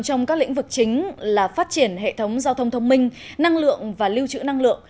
trong các lĩnh vực chính là phát triển hệ thống giao thông thông minh năng lượng và lưu trữ năng lượng